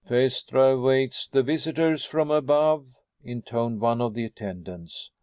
"Phaestra awaits the visitors from above," intoned one of the attendants.